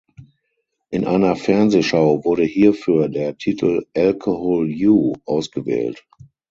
In einer Fernsehshow wurde hierfür der Titel "Alcohol You" ausgewählt.